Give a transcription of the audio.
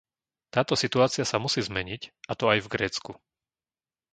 Táto situácia sa musí zmeniť, a to aj v Grécku.